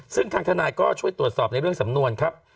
ซึ่งทางทนายก็ช่วยตรวจสอบในเรื่องสำนวนครับ